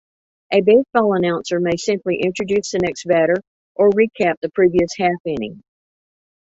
A baseball announcer may simply introduce the next batter or recap the previous half-inning.